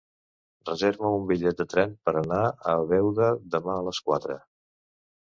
Reserva'm un bitllet de tren per anar a Beuda demà a les quatre.